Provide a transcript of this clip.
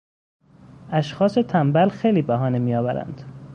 اشخاص تنبل خیلی بهانه میآورند.